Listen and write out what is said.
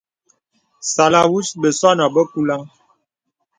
Sàlàwūs bəsɔ̄nɔ̄ bə kùlāŋ.